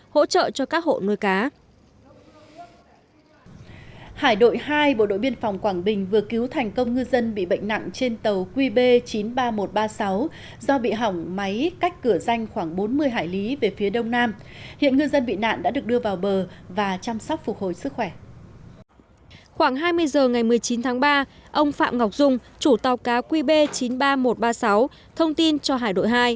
khoảng hai mươi h ngày một mươi chín tháng ba ông phạm ngọc dung chủ tàu cá qb chín mươi ba nghìn một trăm ba mươi sáu thông tin cho hải đội hai